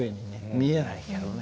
見えないけどね。